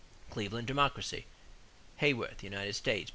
=Cleveland Democracy.= Haworth, The United States, pp.